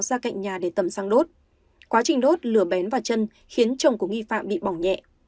ra cạnh nhà để tẩm xăng đốt quá trình đốt lửa bén vào chân khiến chồng của nghi phạm bị bỏng nhẹ